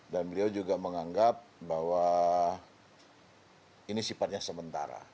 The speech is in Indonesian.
dan beliau juga menganggap bahwa ini sifatnya sementara